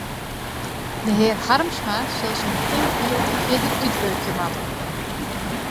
De hear Harmsma sil syn tinkbyld fierder útwurkje moatte.